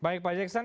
baik pak jackson